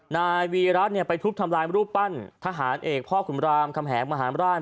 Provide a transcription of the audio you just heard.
นายวีรัติไปทุบทำลายรูปปั้นทหารเอกพ่อขุมรามคำแหงมหารราช